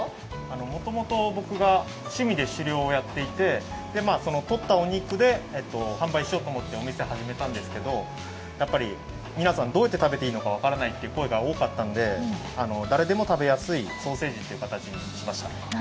もともと僕が趣味で狩猟をやっていて、とったお肉で販売しようと思ってお店始めたんですけどやっぱり皆さん、どうやって食べていいか分からないという声が多かったので、誰でも食べやすいソーセージという形にしました。